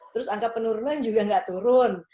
terus angka penurunan juga nggak turun